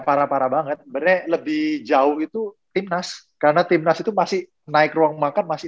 parah parah banget berdek lebih jauh itu timnas karena timnas itu masih naik ruang makan masih